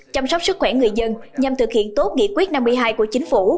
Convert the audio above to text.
chăm sóc sức khỏe người dân nhằm thực hiện tốt nghị quyết năm mươi hai của chính phủ